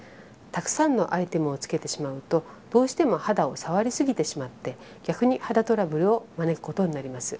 たくさんのアイテムをつけてしまうとどうしても肌を触りすぎてしまって逆に肌トラブルを招くことになります。